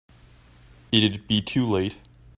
It'd be too late.